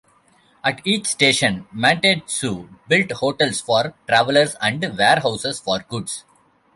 At each station, "Mantetsu" built hotels for travelers and warehouses for goods.